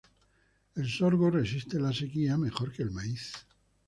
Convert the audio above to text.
El sorgo resiste la sequía mejor que el maíz.